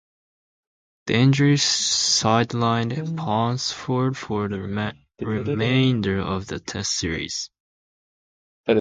The injury sidelined Ponsford for the remainder of the Test series.